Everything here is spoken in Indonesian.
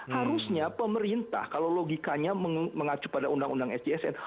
harusnya pemerintah kalau logikanya mengacu pada undang undang sjsn